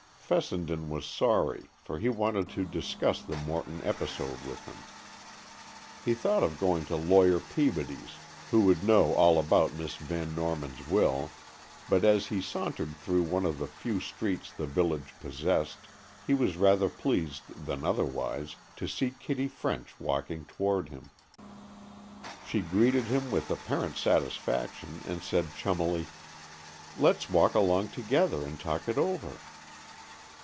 Fessenden was sorry, for he wanted to discuss the Morton episode with him. He thought of going to Lawyer Peabody's, who would know all about Miss Van Norman's will, but as he sauntered through one of the few streets the village possessed, he was rather pleased than otherwise to see Kitty French walking toward him. She greeted him with apparent satisfaction, and said chummily, "Let's walk along together and talk it over."